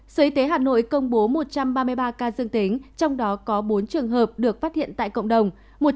sở y tế hà nội công bố một trăm ba mươi ba ca dương tính trong đó có bốn trường hợp được phát hiện tại cộng đồng